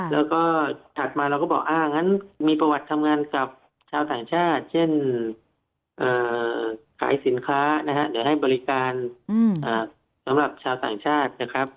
แล้วก็ถัดมาเราก็บอกอ่างั้นมีประวัติทำงานกับชาวต่างชาติเช่นขายสินค้านะครับ